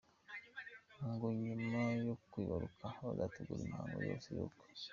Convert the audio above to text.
Ngo nyuma yo kwibaruka bazategura imihango yose y’ubukwe.